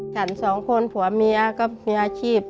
ฉันสองคนผัวเมียก็มีอาชีพ